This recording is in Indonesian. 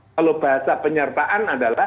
kalau bahasa penyertaan adalah lima puluh lima